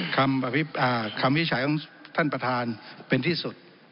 คำวินิจฉัยของท่านประธานเป็นที่สุด